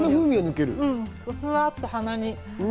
ふわっと鼻に。